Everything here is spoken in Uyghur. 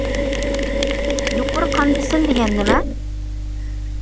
يۇقىرى قان بېسىم دېگەن نېمە؟